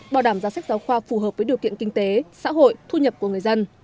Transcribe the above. bảo đảm giá sách giáo khoa phù hợp với điều kiện kinh tế xã hội thu nhập của người dân